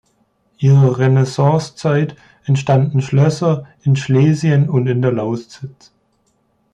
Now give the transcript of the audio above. Ihrer Renaissancezeit entstammen Schlösser in Schlesien und in der Lausitz.